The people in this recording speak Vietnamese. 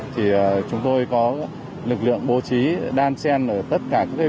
thì chúng tôi có lực lượng bố trí đan sen ở tất cả vị trí trên khán đài